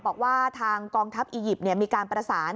บอกว่าทางกองทัพอียิปต์มีการประสาน